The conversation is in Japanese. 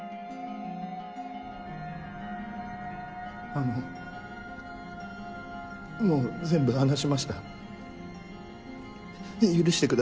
あのもう全部話しました許してください。